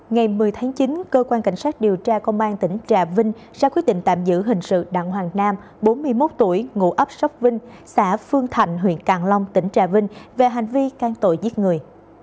ngày một mươi tháng chín cơ quan cảnh sát điều tra công an tỉnh trà vinh ra quyết định tạm giữ hình sự đặng hoàng nam bốn mươi một tuổi ngụ ấp sóc vinh xã phương thạnh huyện càng long tỉnh trà vinh về hành vi can tội giết người